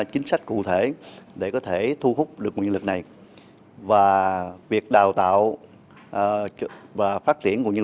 chính sách cụ thể để có thể thu hút được nguồn lực này và việc đào tạo và phát triển nguồn nhân